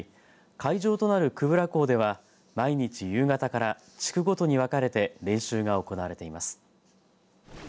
会場となる久部良港では毎日夕方から地区ごとに分かれて練習が行われています。